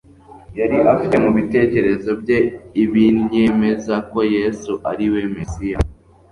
yari afite mu bitekerezo bye ibinnyemeza ko Yesu ari we Mesiya.